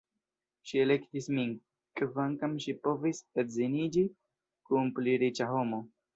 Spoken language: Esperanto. Ŝi elektis min, kvankam ŝi povis edziniĝi kun pli riĉa homo.